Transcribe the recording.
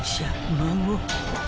孫。